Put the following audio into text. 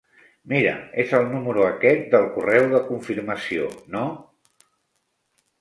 Mira és el número aquest del correu de confirmació, no?